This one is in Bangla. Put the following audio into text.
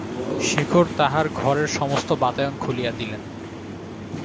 শেখর তাঁহার ঘরের সমস্ত বাতায়ন খুলিয়া দিলেন।